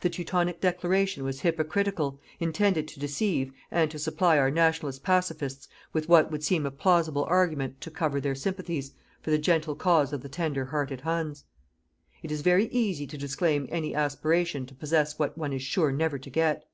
The Teutonic declaration was hypocritical, intended to deceive, and to supply our Nationalist "pacifists" with what would seem a plausible argument to cover their sympathies for the gentle cause of the tender hearted Huns. It is very easy to disclaim any aspiration to possess what one is sure never to get.